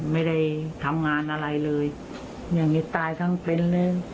ไม่ได้ทำงานอะไรเลยอย่างนี้ตายทั้งเป็นเลย